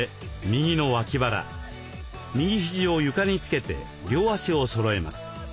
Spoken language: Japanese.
右肘を床につけて両足をそろえます。